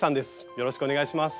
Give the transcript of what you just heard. よろしくお願いします。